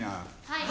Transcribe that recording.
はい！